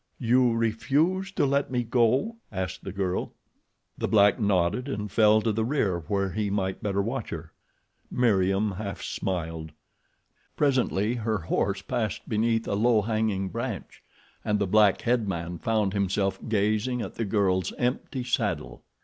"You refuse to let me go?" asked the girl. The black nodded, and fell to the rear where he might better watch her. Meriem half smiled. Presently her horse passed beneath a low hanging branch, and the black headman found himself gazing at the girl's empty saddle.